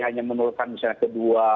hanya menularkan misalnya kedua